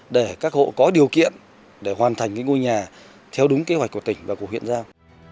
để các hộ có điều kiện để hoàn thành ngôi nhà theo đúng kế hoạch của tỉnh và của huyện giao